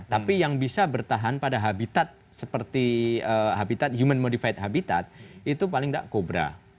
tapi yang bisa bertahan pada habitat seperti habitat human modified habitat itu paling tidak kobra